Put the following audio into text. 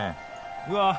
うわ。